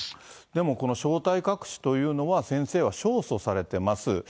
でもこの正体隠しというのは、先生は勝訴されてます。